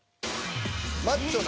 「マッチョな」